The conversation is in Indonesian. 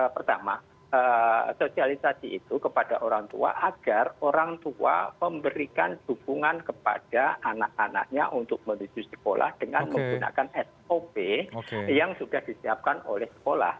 pertama sosialisasi itu kepada orang tua agar orang tua memberikan dukungan kepada anak anaknya untuk menuju sekolah dengan menggunakan sop yang sudah disiapkan oleh sekolah